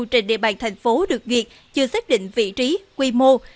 trên địa bàn thành phố được duyệt chưa xác định vị trí quy mô